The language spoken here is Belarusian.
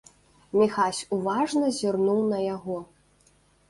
Міхась уважна зірнуў на яго.